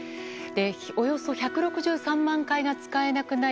およそ１６３万回が使えなくなり